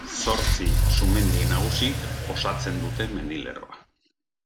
Zortzi sumendi nagusik osatzen dute mendilerroa.